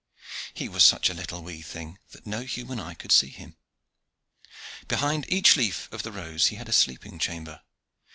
He was such a little wee thing, that no human eye could see him. Behind each leaf of the rose he had a sleeping chamber.